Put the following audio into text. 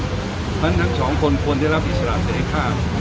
เพราะฉะนั้นทั้งสองคนควรได้รับอิสระเสร็จภาพ